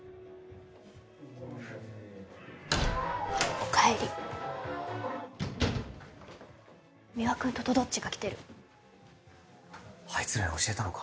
おかえり三輪君ととどっちが来てるあいつらに教えたのか？